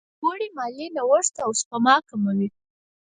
لوړې مالیې نوښت او سپما کموي.